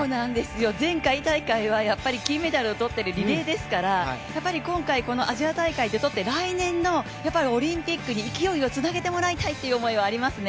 前回大会は金メダルをとっているリレーですから今回アジア大会でとって来年のオリンピックに勢いをつなげてもらいたいという思いはありますね。